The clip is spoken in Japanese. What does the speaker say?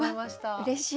うれしい。